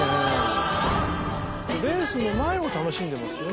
レースの前を楽しんでますよね。